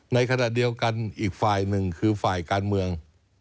ในขณะเดียวกันอีกฝ่ายหนึ่งคือฝ่ายการเมือง